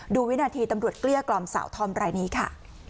วินาทีตำรวจเกลี้ยกล่อมสาวธอมรายนี้ค่ะ